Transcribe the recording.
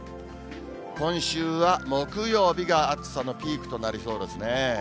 今週は木曜日が暑さのピークとなりそうですね。